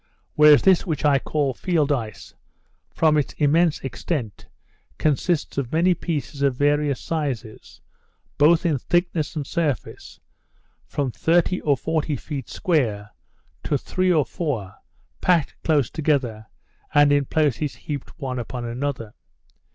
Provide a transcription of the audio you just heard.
Whereas this which I call field ice, from its immense extent, consists of many pieces of various sizes, both in thickness and surface, from thirty or forty feet square to three or four, packed close together, and in places heaped one upon another.